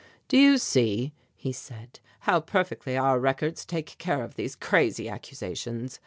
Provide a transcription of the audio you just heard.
"Do you see," he said, "how perfectly our records take care of these crazy accusations?